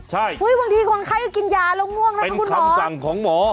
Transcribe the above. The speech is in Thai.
ใช่หุ้ยบางทีคนไข้กินยาแล้วม่วงนะคุณหมอเป็นคำสั่งของหมอ